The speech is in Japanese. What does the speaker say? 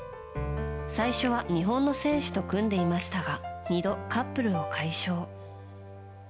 最初は日本の選手と組んでいましたが２度カップルを解消。